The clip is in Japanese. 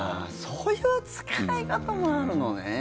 そういう使い方もあるのね。